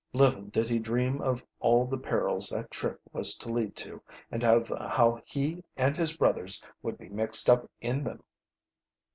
Little did he dream of all the perils that trip was to lead to, and of how he and his brothers would be mixed up in them.